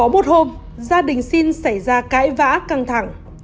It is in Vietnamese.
một hôm gia đình sinh xảy ra cãi vã căng thẳng